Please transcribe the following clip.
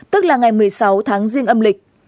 tức là ngày một mươi sáu tháng riêng âm lịch